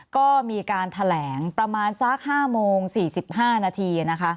ก็มีการแถลงประมาณสัก๕โมง๔๕นาทีนะคะ